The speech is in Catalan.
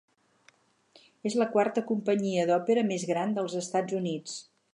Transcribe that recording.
És la quarta companyia d'òpera més gran dels Estats Units.